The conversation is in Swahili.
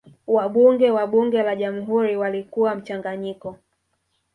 wabunge wa bunge la jamhuri walikuwa mchanganyiko